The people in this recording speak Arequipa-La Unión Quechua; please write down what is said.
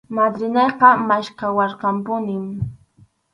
Madrinayqa maskhawarqanpunim.